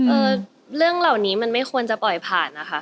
เออเรื่องเหล่านี้มันไม่ควรจะปล่อยผ่านนะคะ